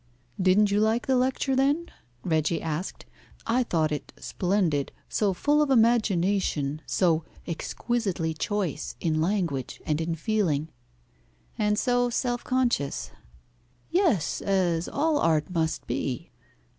"Didn't you like the lecture, then?" Reggie asked. "I thought it splendid, so full of imagination, so exquisitely choice in language and in feeling." "And so self conscious." "Yes, as all art must be."